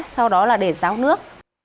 sau đó là để ráo nước